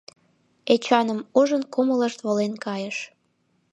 Эчаным ужын, кумылышт волен кайыш.